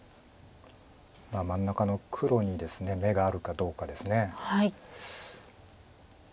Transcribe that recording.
真ん中の黒に眼があるかどうかです。